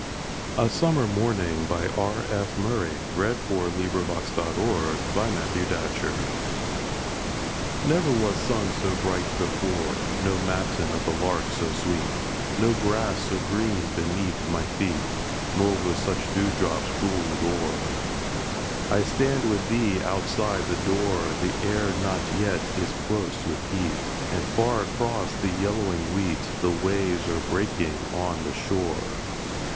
ocent desires To countless girls. What will it bring to you? A SUMMER MORNING Never was sun so bright before, No matin of the lark so sweet, No grass so green beneath my feet, Nor with such dewdrops jewelled o'er. I stand with thee outside the door, The air not yet is close with heat, And far across the yellowing wheat The waves are breaking on the shore.